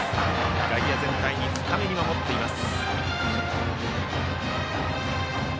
外野全体、深めに守っています。